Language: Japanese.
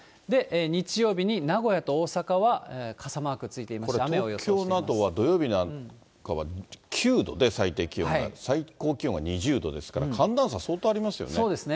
日曜日に名古屋と大阪は傘マークついていまして、これ、東京などは土曜日なんかは９度で最低気温が、最高気温が２０度ですから、寒暖差、相当ありますよね。